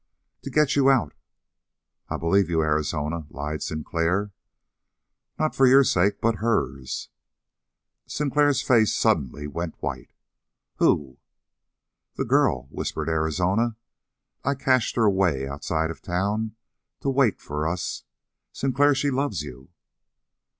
"To get you out." "I believe you, Arizona," lied Sinclair. "Not for your sake but hers." Sinclair's face suddenly went white. "Who?" "The girl!" whispered Arizona. "I cached her away outside of town to wait for us! Sinclair, she loves you."